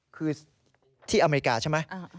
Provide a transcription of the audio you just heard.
คือที่อเมริกาใช่ไหม